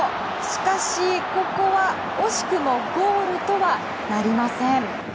しかし、ここは惜しくもゴールとはなりません。